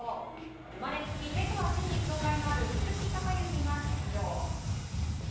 生まれつき手と足に障害がある鈴木孝幸が出場。